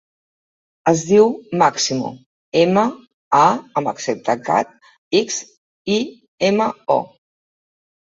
Es diu Máximo: ema, a amb accent tancat, ics, i, ema, o.